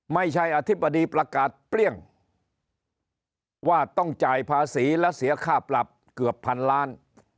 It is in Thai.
ไม่ใช่อธิบดีประกาศเปรี้ยงว่าต้องจ่ายภาษีและเสียค่าปรับเกือบพันล้าน